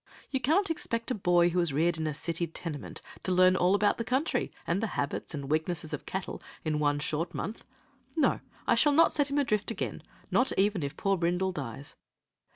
You cannot expect a boy who was reared in a city tenement to learn all about the country, and the habits and weaknesses of cattle, in one short month. No, I shall not send him adrift again not even if poor Brindle dies."